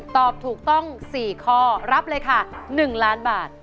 ตอบถูกต้อง๔ข้อรับเลยค่ะ๑ล้านบาท